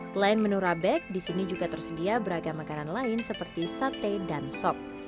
selain menu rabe disini juga tersedia beragam makanan lain seperti sate dan sok